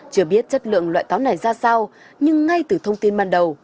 chưa biết chất lượng loại táo này ra sao nhưng ngay từ thông tin ban đầu